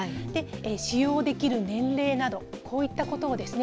使用できる年齢などこういったことをですね